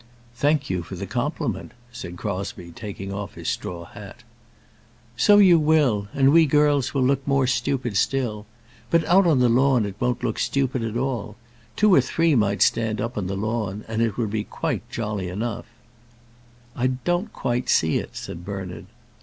"Thank you for the compliment," said Crosbie, taking off his straw hat. "So you will; and we girls will look more stupid still. But out on the lawn it won't look stupid at all. Two or three might stand up on the lawn, and it would be jolly enough." "I don't quite see it," said Bernard.